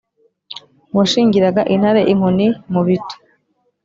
washingiraga intare inkoni mu bitu